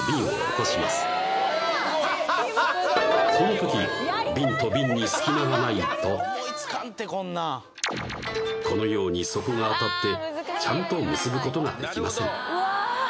これはすごいこのときビンとビンに隙間がないとこのように底が当たってちゃんと結ぶことができません